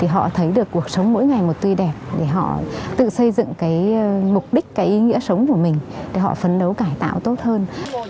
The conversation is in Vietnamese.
họ thấy được cuộc sống mỗi ngày một tươi đẹp để họ tự xây dựng cái mục đích cái ý nghĩa sống của mình để họ phấn đấu cải tạo tốt hơn